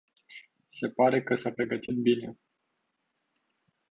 Se pare că s-a pregătit bine.